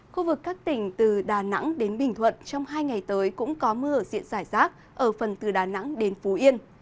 khu vực các tỉnh từ đà nẵng đến bình thuận trong hai ngày tới cũng có mưa ở diện giải rác ở phần từ đà nẵng đến phú yên